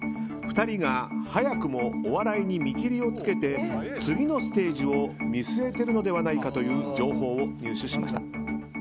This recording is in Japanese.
２人が早くもお笑いを見切りにつけて次のステージを見据えているのではないかという情報を入手しました。